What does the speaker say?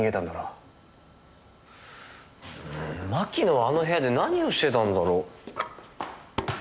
うーん牧野はあの部屋で何をしてたんだろう？